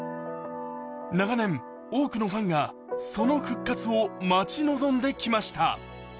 長年、多くのファンがその復活を待ち望んできました。